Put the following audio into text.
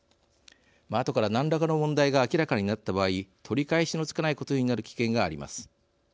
あとから、何らかの問題が明らかになった場合取り返しのつかないことになる危険があります。